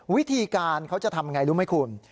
วิธีการเขาจะทำอย่างไรรู้ไหมคุณ